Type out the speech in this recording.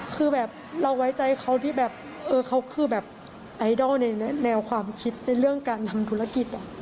คือแบบเราไว้ใจเขาที่แบบเออเขาคือแบบไอดอลในแนวความคิดในเรื่องการทำธุรกิจ